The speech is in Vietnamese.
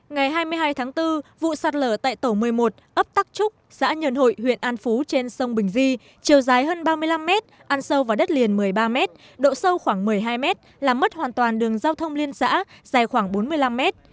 ngày hai mươi hai tháng bốn vụ sạt lở tại tổ một mươi một ấp tắc trúc xã nhơn hội huyện an phú trên sông bình di chiều dài hơn ba mươi năm mét ăn sâu vào đất liền một mươi ba mét độ sâu khoảng một mươi hai mét làm mất hoàn toàn đường giao thông liên xã dài khoảng bốn mươi năm mét